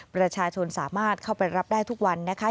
ประชาชนสามารถเข้าไปรับได้ทุกวันนะคะ